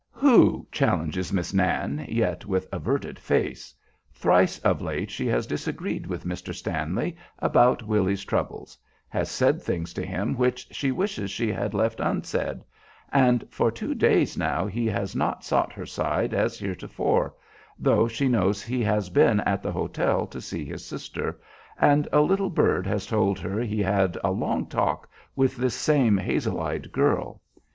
"Who?" challenges Miss Nan, yet with averted face. Thrice of late she has disagreed with Mr. Stanley about Willy's troubles; has said things to him which she wishes she had left unsaid; and for two days now he has not sought her side as heretofore, though she knows he has been at the hotel to see his sister, and a little bird has told her he had a long talk with this same hazel eyed girl.